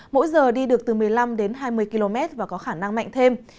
mỗi giờ đi được từ một mươi năm đến hai mươi km và có khả năng mạnh thêm